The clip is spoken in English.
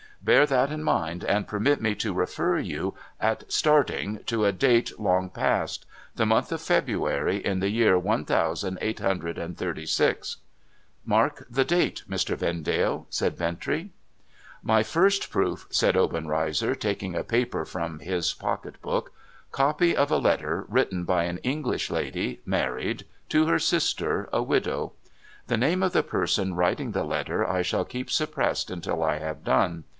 Bear that in mind, and permit me to refer you, at starting, to a date long past — the month of February, in the year one thousand eight hundred and thirty six.' ' Mark the date, Mr. Vendale,' said Bintrey. * My first proof,' said Obenreizer, taking a paper from his pocket book. ' Copy of a letter, written by an English lady (married) to her sister, a widow. The name of the person writing the letter I shall keep suppressed until I have done.